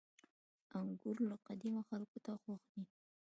• انګور له قديمه خلکو ته خوښ دي.